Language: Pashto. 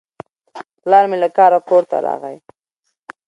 پلار مې له کاره کور ته راغی.